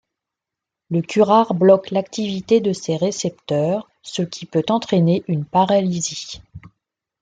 Le curare bloque l'activité de ces récepteurs ce qui peut entraîner une paralysie.